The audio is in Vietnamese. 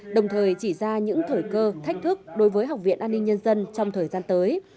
đồng thời chỉ ra những thời cơ thách thức đối với học viện an ninh nhân dân trong thời gian tới